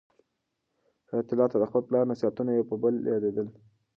حیات الله ته د خپل پلار نصیحتونه یو په یو یادېدل.